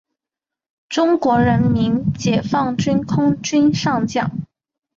中国人民解放军空军上将。